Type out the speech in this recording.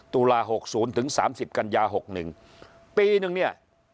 ตุลาหกศูนย์ถึงสามสิบกันยาหกหนึ่งปีหนึ่งเนี้ย